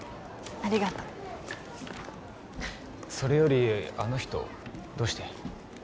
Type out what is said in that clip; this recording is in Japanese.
ありがとうそれよりあの人どうして？